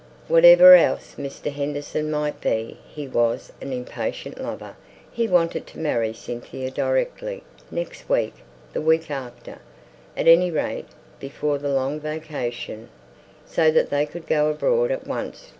Whatever else Mr. Henderson might be, he was an impatient lover; he wanted to marry Cynthia directly next week the week after; at any rate before the long vacation, so that they could go abroad at once.